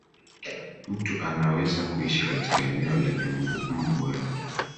mtu anaweza kuishi katika eneo lenye mbu wengi